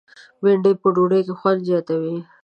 بېنډۍ په ډوډۍ کې خوند زیاتوي